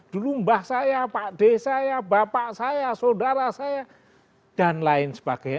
dulu mbah saya pak d saya bapak saya saudara saya dan lain sebagainya